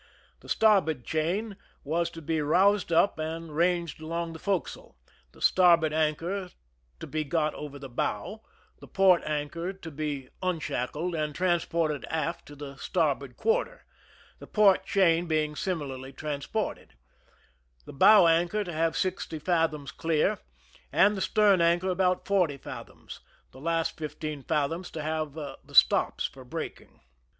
The starboard chain was to be roused up and ranged along the forecastle ; the starboard an chor to be g:ot over the bow ; the port anchor to be unshackled and transported aft to the starboard quarter, the port chain being similarly transported ; the bow anchor to have sixty fathoms clear, and the stern anchor about forty fathoms, the last fif teen fathoms to have the stops for breaking.